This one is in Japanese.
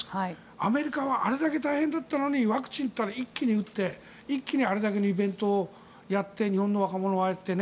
アメリカはあれだけ大変だったのにワクチンを一気に打って一気にあれだけのイベントをやって日本の若者をああやって。